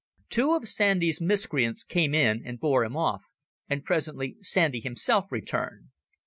Two of Sandy's miscreants came in and bore him off, and presently Sandy himself returned.